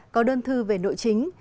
có đơn thư về nội chính